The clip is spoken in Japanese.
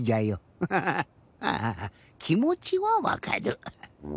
あきもちはわかる。